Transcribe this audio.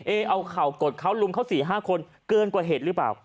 เอาเข่ากดเขาลุมเขา๔๕คนเกินกว่าเหตุหรือเปล่า